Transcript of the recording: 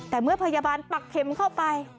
แต่เมื่อพยาบาลปักเข็มเข้าไป